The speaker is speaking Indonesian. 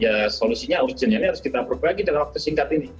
ya solusinya urgent ini harus kita perbaiki dalam waktu singkat ini